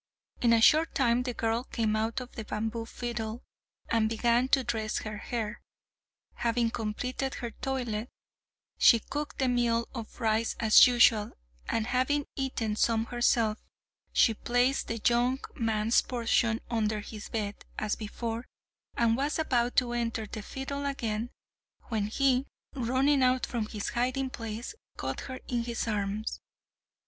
In a short time the girl came out of the bamboo fiddle, and began to dress her hair. Having completed her toilet, she cooked the meal of rice as usual, and having eaten some herself, she placed the young man's portion under his bed, as before, and was about to enter the fiddle again, when he, running out from his hiding place, caught her in his arms.